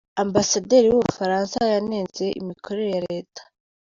Ambasederi w'u Bufaransa yanenze imikorera ya leta.